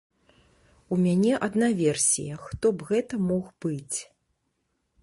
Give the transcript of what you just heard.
У мяне адна версія, хто б гэта мог быць.